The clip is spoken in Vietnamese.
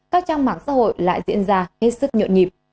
các trang mạng xã hội lại diễn ra hết sức nhộn nhịp